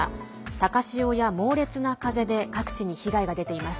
高潮や猛烈な風で各地に被害が出ています。